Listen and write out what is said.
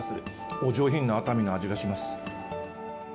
お上品な熱海の味がします。